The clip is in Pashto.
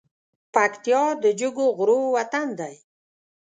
پکتيا د جګو غرو وطن دی